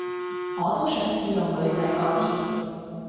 我都想試用女仔嗰啲